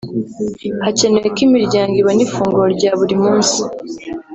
hacyenewe ko imiryango ibona ifunguro rya buri munsi